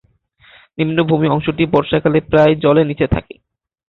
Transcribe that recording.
নিম্নভূমি অংশটি বর্ষাকালে প্রায়ই জলের নিচে থাকে।